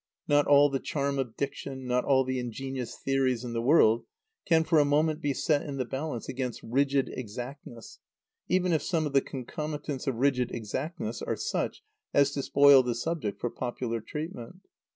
Not all the charm of diction, not all the ingenious theories in the world, can for a moment be set in the balance against rigid exactness, even if some of the concomitants of rigid exactness are such as to spoil the subject for popular treatment.